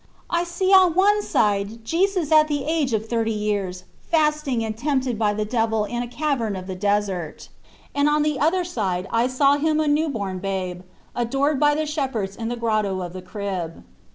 I see on one side Jesus at the age of thirty years fasting and tempted by the devil in a cavern of the desert ; and on the other side I saw Him a new born babe, adored by the shepherds in the Grotto of the Crib."